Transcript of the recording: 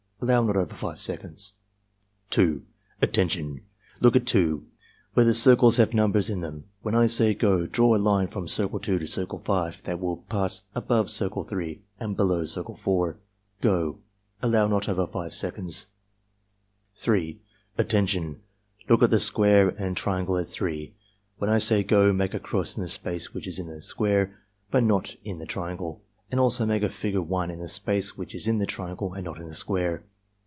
(Allow not over 5 seconds.) 2. "Attention! Look at 2, where the circles have numbers in them. When I say 'go' draw a line from Circle 2 to CSrcle 5 that will pass above Circle 3 and below Circle 4. — Go!" (Allow not over 5 seconds.) 3. "Attention! Look at the square and triangle at 3. When I say 'go' make a cross in the space which is in the square but not in the triangle, and also make a figure 1 in the space which is in the triangle and in the square.